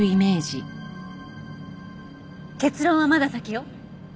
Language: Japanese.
結論はまだ先よ。